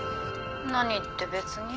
何って別に。